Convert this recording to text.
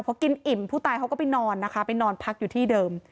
พอกินอิ่มผู้ตายเขาก็ไปนอนนะคะไปนอนพักอยู่ที่เดิม